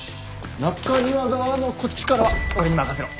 中庭側のこっちからは俺に任せろ。